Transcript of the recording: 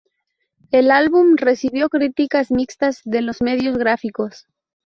El álbum recibió críticas mixtas de los medios gráficos.